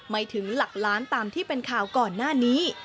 ไม่ถึงหลักล้านตามที่เป็นข่าวก่อนหน้านี้